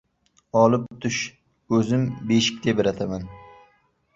Olib tush — o‘zim beshik tebrataman!